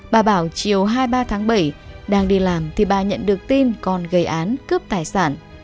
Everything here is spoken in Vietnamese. bà bảo chiều hai mươi ba tháng bảy đang đi làm thì bà nhận được tin còn gây án cướp tài sản